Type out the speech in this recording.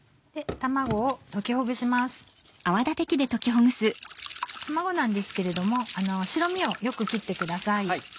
卵なんですけれども白身をよく切ってください。